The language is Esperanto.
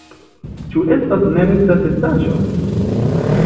Ĉu estas nerekta atestaĵo?